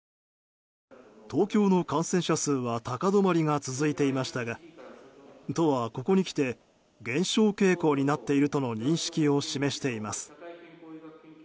東京の感染者数は高止まりが続いていましたが都は、ここに来て減少傾向になっているとの認識を示しています。